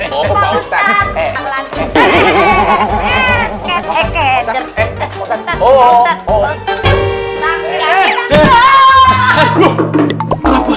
aduh aduh aduh